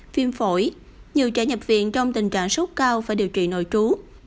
viêm phổi nhiều trẻ nhập viện trong tình trạng sốt cao phải điều trị nội trú